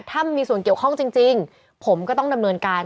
ถ้ามีส่วนเกี่ยวข้องจริงผมก็ต้องดำเนินการ